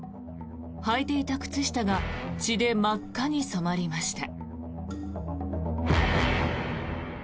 はいていた靴下が血で真っ赤に染まりました。